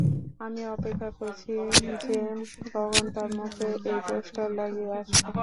আমিও অপেক্ষা করছি যে কখন তার মুখে এই পোস্টার লাগিয়ে আসবো!